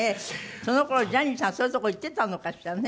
その頃ジャニーさんそういうとこ行ってたのかしらね。